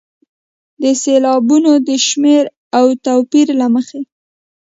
د سېلابونو د شمېر او توپیر له مخې.